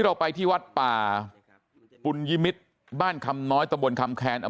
เราไปที่วัดป่าปุญยิมิตรบ้านคำน้อยตะบนคำแคน